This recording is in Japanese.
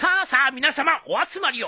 皆さまお集まりを。